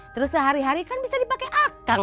terus sehari hari kan bisa dipake akang